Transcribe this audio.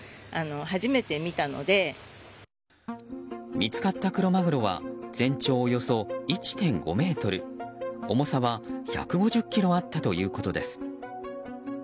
見つかったクロマグロは全長およそ１．５ｍ重さは１５０ｋｇあったということです。